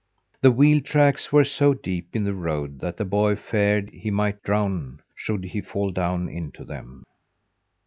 The wheel tracks were so deep in the road that the boy feared he might drown should he fall down into them.